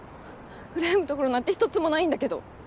羨むところなんて一つもないんだけど。